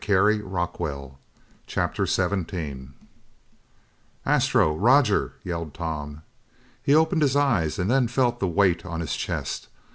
CHAPTER 17 "Astro! Roger!" yelled Tom. He opened his eyes and then felt the weight on his chest.